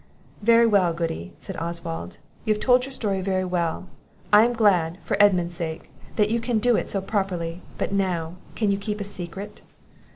"Very well, Goody," said Oswald; "you have told your story very well; I am glad, for Edmund's sake, that you can do it so properly. But now, can you keep a secret?"